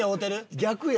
逆や。